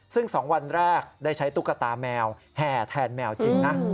ซึ่ง๒วันแรกได้ใช้ตุ๊กตาแมวแห่แทนแมวจริงนะ